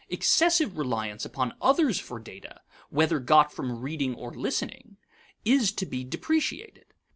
Excessive reliance upon others for data (whether got from reading or listening) is to be depreciated.